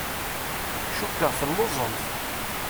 Cukkeɣ telluẓemt.